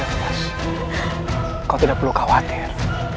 kau tidak perlu khawatir